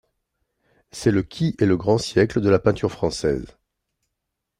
C'est le qui est le grand siècle de la peinture française.